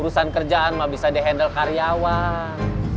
perusahaan kerjaan mah bisa di handle karyawan